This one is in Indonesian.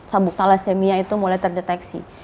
sabuk tala semia itu mulai terdeteksi